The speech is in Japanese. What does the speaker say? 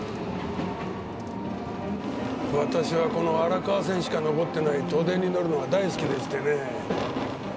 私はこの荒川線しか残ってない都電に乗るのが大好きでしてね。